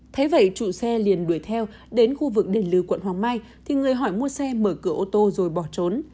thấy vậy chủ xe liền đuổi theo đến khu vực đền lưu quận hoàng mai thì người hỏi mua xe mở cửa ô tô rồi bỏ trốn